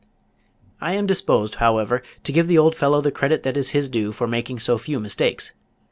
I am disposed, however, to give the old fellow the credit that is his due for making so few mistakes.